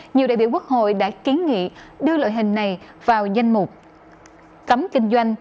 nhiều đại biểu quốc hội đã kiến nghị đưa loại hình này vào danh mục cấm kinh doanh